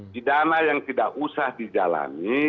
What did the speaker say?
pidana yang tidak usah dijalani